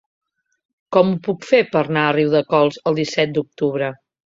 Com ho puc fer per anar a Riudecols el disset d'octubre?